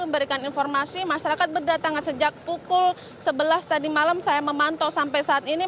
memberikan informasi masyarakat berdatangan sejak pukul sebelas tadi malam saya memantau sampai saat ini